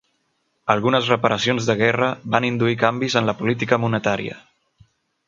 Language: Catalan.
Algunes reparacions de guerra van induir canvis en la política monetària.